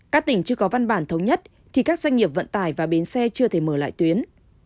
các tỉnh chưa có văn bản thống nhất thì các doanh nghiệp vận tải và bến xe chưa thể mở lại tuyến